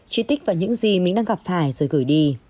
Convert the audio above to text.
tri tích và những gì mình đang gặp phải rồi gửi đi